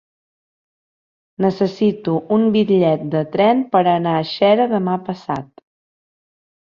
Necessito un bitllet de tren per anar a Xera demà passat.